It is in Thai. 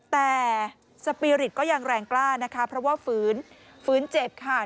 แต่สปีริตก็ยังแรงกล้านะคะเพราะว่าฝืนฝืนเจ็บค่ะ